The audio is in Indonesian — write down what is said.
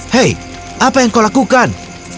hei apa yang kau lakukan